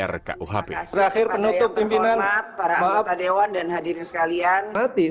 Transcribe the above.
terima kasih kepada yang terhormat para anggota dewan dan hadirin sekalian